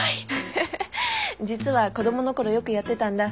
フフッ実は子供の頃よくやってたんだ。